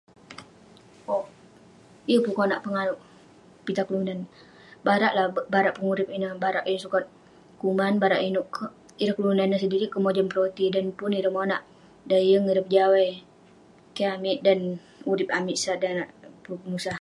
Owk, yeng pun konak penganouk pitah kelunan. Barak lah, barak pengurip ineh. Barak yeng sukat kuman, barak inouk kek. Ineh kelunan neh sedirik kek mojam peroti, pun ireh monak. Dan yeng ireh pejawai. Keh amik dan urip amit sat, dan pun penusah.